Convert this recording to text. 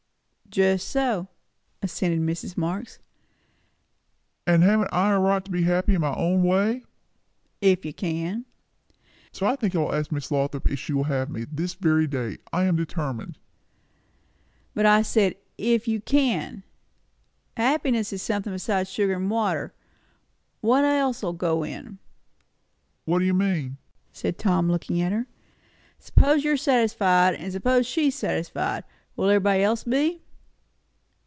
"Just so," assented Mrs. Marx. "And haven't I a right to be happy in my own way?" "If you can." "So I think! I will ask Miss Lothrop if she will have me, this very day. I'm determined." "But I said, if you can. Happiness is somethin' besides sugar and water. What else'll go in?" "What do you mean?" asked Tom, looking at her. "Suppose you're satisfied, and suppose she's satisfied. Will everybody else be?"